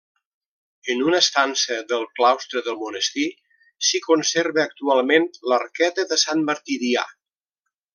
En una estança del claustre del monestir s'hi conserva actualment l'Arqueta de Sant Martirià.